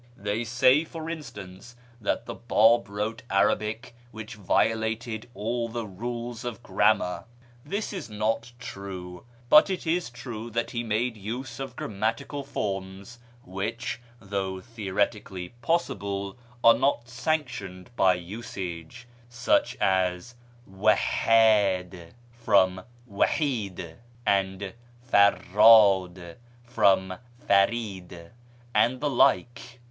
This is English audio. They say, for instance, that the Bab wrote Arabic which violated all the rules of grammar. This is not true ; but it is true that he made use of grammatical forms which, though theoretically possible, are not sanctioned by usage, such as ' Wakhdd,' from Wahid ;' Farrdd^ from Farid, and the like.